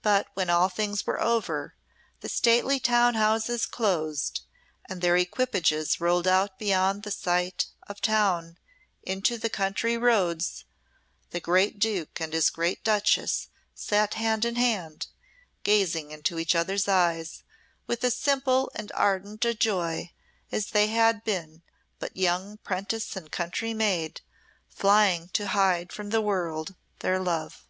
But when all things were over, the stately town houses closed, and their equipages rolled out beyond the sight of town into the country roads, the great duke and his great duchess sat hand in hand, gazing into each other's eyes with as simple and ardent a joy as they had been but young 'prentice and country maid, flying to hide from the world their love.